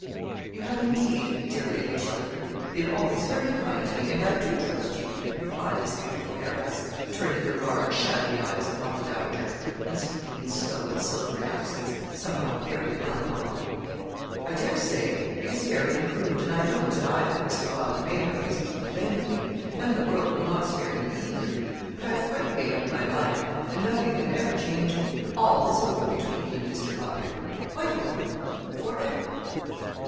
'You have, indeed, dear Lady Chelford, been always very kind to me, and I do trust you,' replied this beautiful heiress, turning her large shadowy eyes upon the dowager, and speaking in slow and silvery accents, somehow very melancholy. 'I dare say it is very imprudent, and I don't deny that Mr. Wylder may have reason to complain of me, and the world will not spare me either; but I have quite made up my mind, and nothing can ever change me; all is over between me and Mr. Wylder quite over for ever.'